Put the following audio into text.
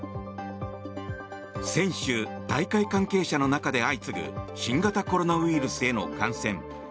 選手、大会関係者の中で相次ぐ新型コロナウイルスへの感染。